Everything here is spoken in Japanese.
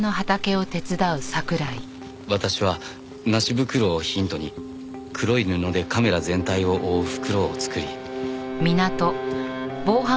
私は梨袋をヒントに黒い布でカメラ全体を覆う袋を作り。